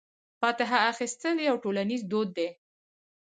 فاتحه اخیستل یو ټولنیز دود دی.